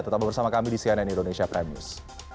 tetap bersama kami di cnn indonesia prime news